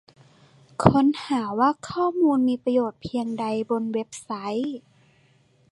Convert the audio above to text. ค้นหาว่าข้อมูลมีประโยชน์เพียงใดบนเว็บไซต์